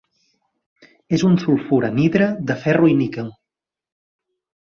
És un sulfur anhidre de ferro i níquel.